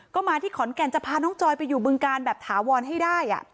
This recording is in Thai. ก็มาที่ขอนแก่นจะพาน้องจอยไปอยู่บึงการแบบถาวรให้ได้